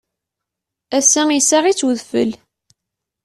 Ass-a, issaɣ-itt udfel.